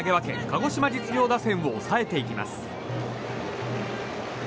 鹿児島実業打線を抑えていきます。